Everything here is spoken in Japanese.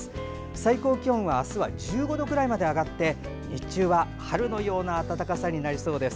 最高気温は明日は１５度くらいまで上がって日中は春のような暖かさになりそうです。